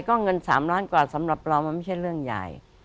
ก็เงิน๓ล้านกว่าสำหรับเรามันไม่ใช่เรื่องใหญ่